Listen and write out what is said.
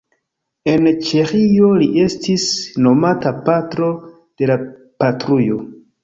En Ĉeĥio li estis nomata "Patro de la Patrujo".